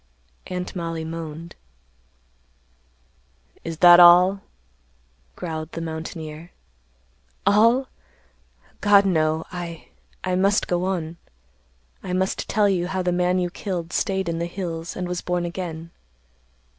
Aunt Mollie moaned. "Is that all?" growled the mountaineer. "All! God, no! I—I must go on. I must tell you how the man you killed staid in the hills and was born again.